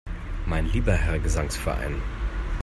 Mein lieber Herr Gesangsverein!